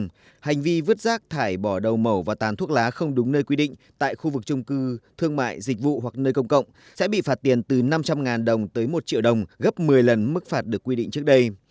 cụ thể hành vi vệ sinh cá nhân không đúng nơi quy định tại khu vực chung cư thương mại dịch vụ hoặc nơi công cộng sẽ bị phạt tiền từ năm trăm linh đồng tới một triệu đồng gấp một mươi lần mức phạt được quy định trước đây